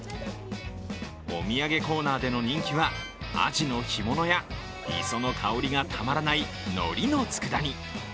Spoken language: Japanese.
お土産コーナーでの人気はあじの干物や、磯の香りがたまらないのりのつくだ煮。